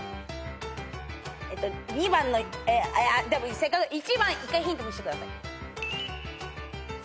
２番のあっ１番１回ヒント見してください。